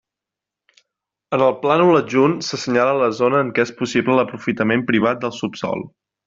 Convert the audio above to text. En el plànol adjunt s'assenyala la zona en què és possible l'aprofitament privat del subsòl.